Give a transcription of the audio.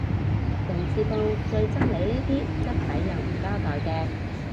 人事部最憎你呢啲甩底又唔交代嘅